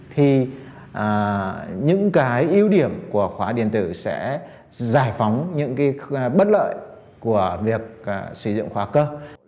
thì những cái ưu điểm của khóa điện tử sẽ giải phóng những cái bất lợi của việc sử dụng khóa cơ